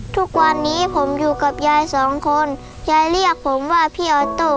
ทุกวันนี้ผมอยู่กับยายสองคนยายเรียกผมว่าพี่ออโต้